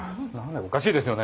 おかしいですよね。